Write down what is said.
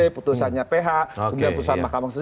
putusannya ph kemudian putusan makam